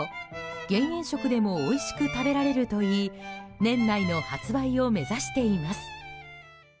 減塩食でもおいしく食べられるといい年内の発売を目指しています。